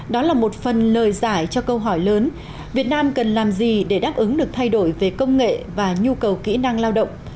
đó là một phần lời giải cho câu hỏi lớn việt nam cần làm gì để đáp ứng được thay đổi về công nghệ và nhu cầu kỹ năng lao động